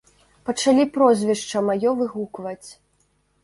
Пачалі прозвішча маё выгукваць.